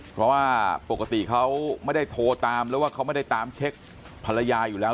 เพราะว่าปกติเขาไม่ได้โทรตามหรือว่าเขาไม่ได้ตามเช็คภรรยาอยู่แล้ว